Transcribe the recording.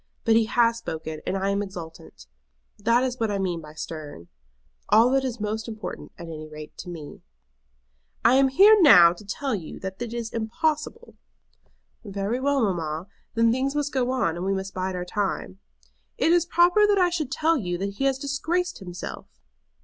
But he has spoken, and I am exultant. That is what I mean by stern. All that is most important, at any rate to me." "I am here now to tell you that it is impossible." "Very well, mamma. Then things must go on, and we must bide our time." "It is proper that I should tell you that he has disgraced himself."